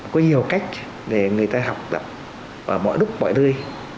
có nhiều cách để người ta học tập ở mọi lúc mọi nơi